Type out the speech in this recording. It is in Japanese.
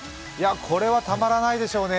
これはたまらないでしょうね。